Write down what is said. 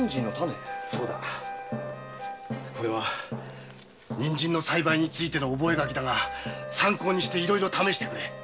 これは人参の栽培についての覚書だが参考にして試してくれ。